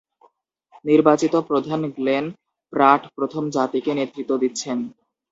নির্বাচিত প্রধান Glenn Pratt প্রথম জাতিকে নেতৃত্ব দিচ্ছেন।